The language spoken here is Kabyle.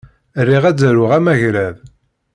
Riɣ ad d-aruɣ amagrad.